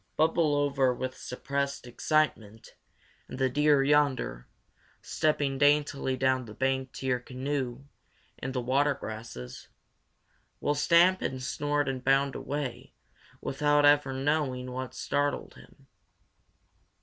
Bubble over with suppressed excitement, and the deer yonder, stepping daintily down the bank to your canoe in the water grasses, will stamp and snort and bound away without ever knowing what startled him.